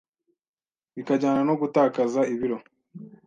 bikajyana no gutakaza ibiro.